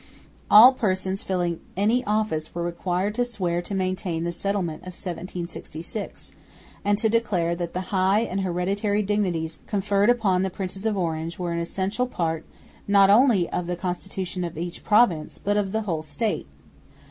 All persons filling any office were required to swear to maintain the settlement of 1766, and to declare that "the high and hereditary dignities" conferred upon the Princes of Orange were "an essential part not only of the constitution of each province but of the whole State."